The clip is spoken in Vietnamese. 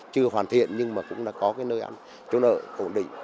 chưa hoàn thiện nhưng mà cũng đã có cái nơi ăn chỗ nợ ổn định